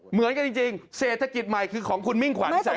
เหมือนกันจริงเศรษฐกิจใหม่คือของคุณมิ่งขวัญแสง